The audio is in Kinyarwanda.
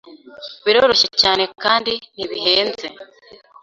Biroroshye cyane kandi ntibihenze